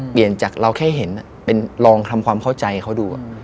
เปลี่ยนจากเราแค่เห็นเป็นลองทำความเข้าใจเขาดู